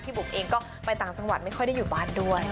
บุ๋มเองก็ไปต่างจังหวัดไม่ค่อยได้อยู่บ้านด้วย